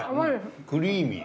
クリーミー。